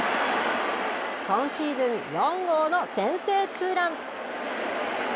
今シーズン４号の先制ツーラン。